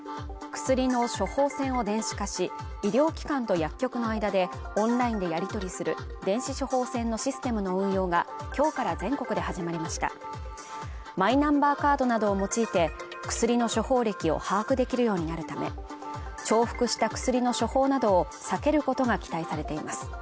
薬の処方箋を電子化し医療機関と薬局の間でオンラインでやり取りする電子処方箋のシステムの運用がきょうから全国で始まりましたマイナンバーカードなどを用いて薬の処方歴を把握できるようになるため重複した薬の処方などを避けることが期待されています